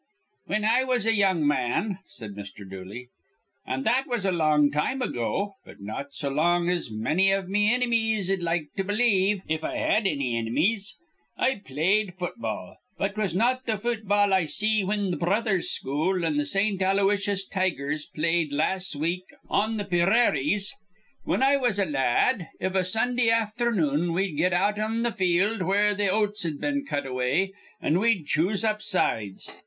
"Whin I was a young man," said Mr. Dooley, "an' that was a long time ago, but not so long ago as manny iv me inimies'd like to believe, if I had anny inimies, I played futball, but 'twas not th' futball I see whin th' Brothers' school an' th' Saint Aloysius Tigers played las' week on th' pee raries. "Whin I was a la ad, iv a Sundah afthernoon we'd get out in th' field where th' oats'd been cut away, an' we'd choose up sides.